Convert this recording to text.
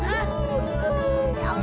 ya allah bang